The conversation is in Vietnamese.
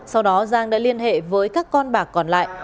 sau đó giang đã liên hệ với các con bạc còn lại